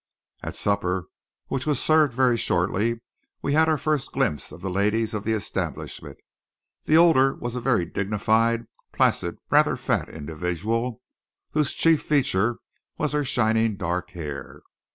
At supper, which was served very shortly, we had our first glimpse of the ladies of the establishment. The older was a very dignified, placid, rather fat individual, whose chief feature was her shining dark hair.